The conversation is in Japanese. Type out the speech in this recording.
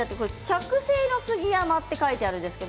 着生の杉山とあります。